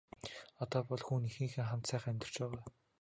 Одоо бол хүү нь эхийнхээ хамт сайхан амьдарч байгаа.